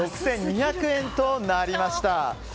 ６２００円となりました。